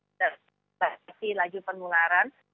bisa mendeteksi laju penularan